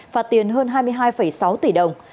phạt tiền hơn hai mươi hai sáu tỷ đồng